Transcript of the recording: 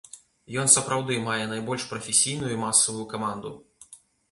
Ён сапраўды мае найбольш прафесійную і масавую каманду.